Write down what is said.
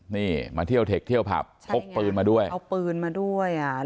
นี่มาเที่ยวเทคเที่ยวผับพกปืนมาด้วยเอาปืนมาด้วยอ่ะ